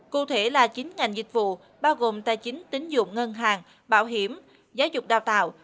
cụ thể là chín ngành dịch vụ bao gồm tài chính tính dụng ngân hàng bảo hiểm giáo dục đào tạo